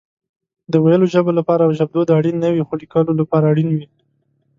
د ويلو ژبه لپاره ژبدود اړين نه وي خو ليکلو لپاره اړين وي